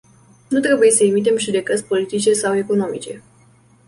Nu trebuie să emitem judecăți politice sau economice.